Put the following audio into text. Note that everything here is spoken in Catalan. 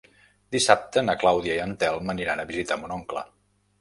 Dissabte na Clàudia i en Telm aniran a visitar mon oncle.